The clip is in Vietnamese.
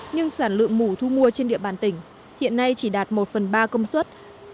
nhưng sản lượng mũ thu mua trên địa bàn tỉnh hiện nay chỉ đạt một phần ba công suất